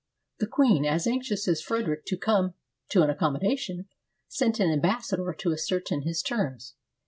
The queen, as anxious as Frederic to come to an accommodation, sent an ambassador to as certain his terms.